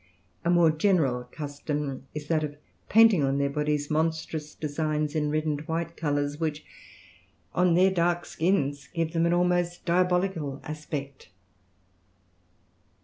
A more general custom is that of painting on their bodies monstrous designs in red and white colours which, on their dark skins, give them an almost diabolical aspect.